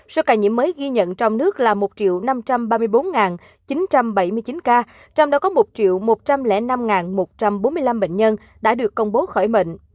số ca nhiễm mới ghi nhận trong nước là một năm trăm ba mươi bốn chín trăm bảy mươi chín ca trong đó có một một trăm linh năm một trăm bốn mươi năm bệnh nhân đã được công bố khỏi bệnh